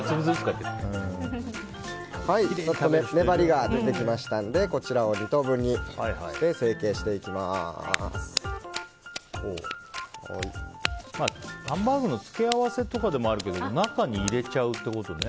粘りが出てきましたんでこちらを２等分にしてハンバーグの付け合わせとかでもあるけど中に入れちゃうってことね